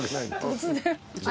突然。